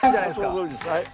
そのとおりですはい。